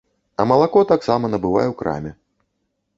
А малако таксама набывае ў краме.